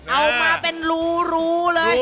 เอามาเป็นรูเลย